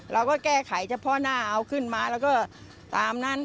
เราก็แก้ไขเฉพาะหน้าเอาขึ้นมาแล้วก็ตามนั้น